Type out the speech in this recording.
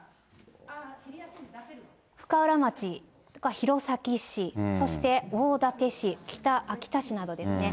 深浦町、それから弘前市、そして大館市、北秋田市などですね。